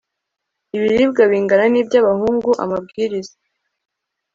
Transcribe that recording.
ibiribwa bingana n'iby'abahungu amabwiriza